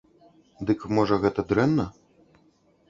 Дык, можа, гэта дрэнна?